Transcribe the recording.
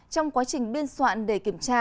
trong quá trình biên soạn để kiểm tra